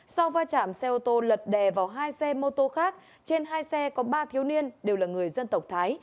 sau va chạm xe ô tô lật đè vào hai xe mô tô khác trên hai xe có ba thiếu niên đều là người dân tộc thái